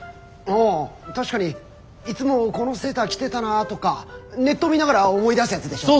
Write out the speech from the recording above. あぁ確かにいつもこのセーター着てたなとかネット見ながら思い出すやつでしょ。